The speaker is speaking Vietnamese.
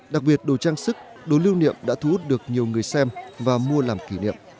đặc biệt đồ trang sức đồ lưu niệm đã thu hút được nhiều người xem và mua làm kỷ niệm